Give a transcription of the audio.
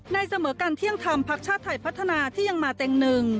นายเสมอกันเที่ยงทำพักชาติไทยพัฒนาที่ยังมาเต็ม๑